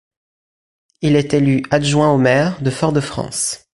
Il est élu adjoint au maire de Fort-de-France.